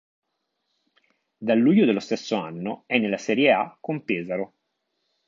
Dal luglio dello stesso anno è nella Serie A con Pesaro.